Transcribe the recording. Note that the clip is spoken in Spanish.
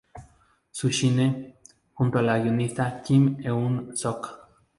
Sunshine "junto a la guionista Kim Eun-sook.